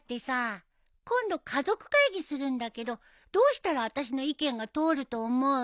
今度家族会議するんだけどどうしたら私の意見がとおると思う？